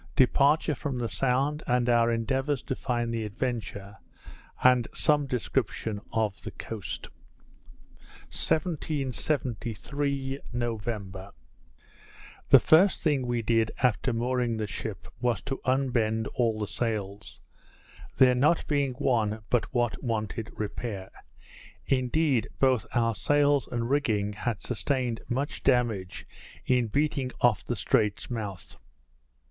Departure from the Sound, and our Endeavours to find the Adventure; with some Description of the Coast._ 1773 November The first thing we did after mooring the ship, was to unbend all the sails; there not being one but what wanted repair. Indeed, both our sails and rigging had sustained much damage in beating off the Strait's mouth.